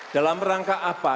dalam rangka apa